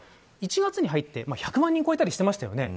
１月に入って１００万人を超えたりしていましたよね。